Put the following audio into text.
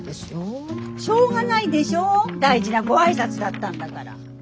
しょうがないでしょ大事なご挨拶だったんだから。